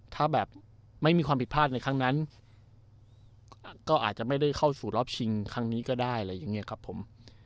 ถ้าแบบไม่มีความผิดพลาดในครั้งนั้นก็อาจจะไม่ได้เข้าสู่รอบชิงครั้งนี้ก็ได้อะไรอย่างนี้ครับผม